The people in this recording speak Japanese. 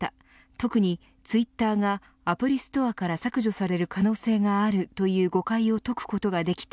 特にツイッターがアプリストアから削除される可能性があるという誤解を解くことができた。